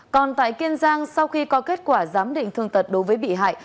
còn tại kiên giang sau khi có kết quả giám định thương tật đối với bị hại